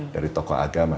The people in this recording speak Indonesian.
dari tokoh agama